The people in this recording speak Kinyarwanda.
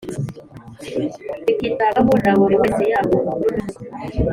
bikitabwaho na buri wese yaba umukuru n’umuto